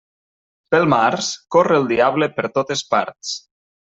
Pel març, corre el diable per totes parts.